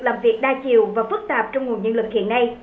làm việc đa chiều và phức tạp trong nguồn nhân lực hiện nay